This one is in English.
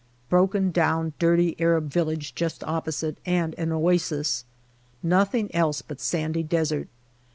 Broken down, dirty Arab village just opposite, and an oasis. Nothing else but sandy desert.